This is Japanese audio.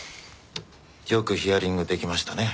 よくヒアリング出来ましたね。